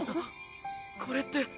これって。